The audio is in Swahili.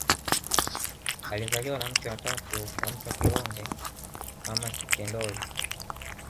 Aliyezaliwa na mke wa tatu wa Mtwa Kilonge Mama Sekindole